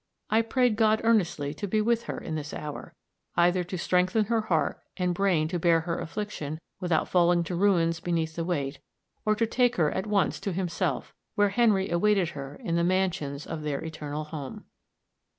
I prayed God earnestly to be with her in this hour; either to strengthen her heart and brain to bear her affliction without falling to ruins beneath the weight, or to take her at once to Himself, where Henry awaited her in the mansions of their eternal home.